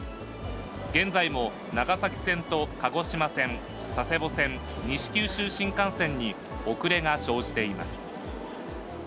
現在も長崎線と鹿児島線、佐世保線、西九州新幹線に遅れが生じています。